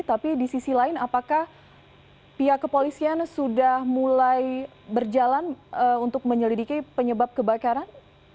tapi di sisi lain apakah pihak kepolisian sudah mulai berjalan untuk menyelidiki penyebab kebakaran